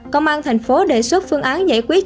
công an tp đề xuất phương án giải quyết